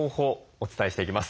お伝えしていきます。